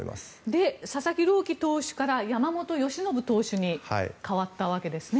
で、佐々木朗希投手から山本由伸投手に代わったわけですね。